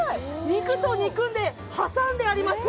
肉と肉で挟んであります！